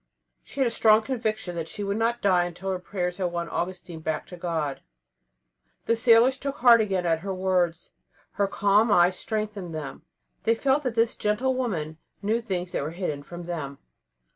She had a strong conviction that she would not die until her prayers had won Augustine back to God. The sailors took heart again at her words; her calm eyes strengthened them; they felt that this gentle woman knew things that were hidden from them.